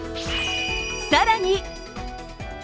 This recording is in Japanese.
さらに。